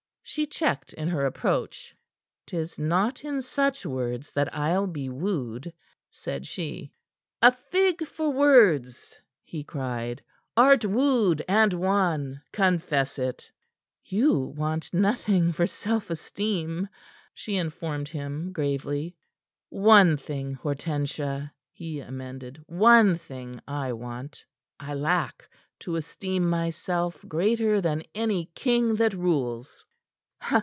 She checked in her approach. "'Tis not in such words that I'll be wooed," said she. "A fig for words!" he cried. "Art wooed and won. Confess it." "You want nothing for self esteem," she informed him gravely. "One thing, Hortensia," he amended. "One thing I want I lack to esteem myself greater than any king that rules."